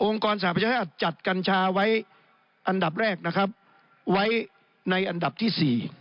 กรสหประชาชาติจัดกัญชาไว้อันดับแรกนะครับไว้ในอันดับที่๔